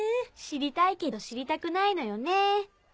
知りたいけど知りたくないのよね。